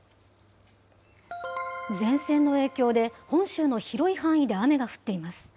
前線の影響で、本州の広い範囲で雨が降っています。